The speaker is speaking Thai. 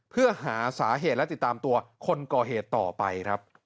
เพื่อหาสาเหตุและติดตามตัวคนก่อเหตุต่อไปครับ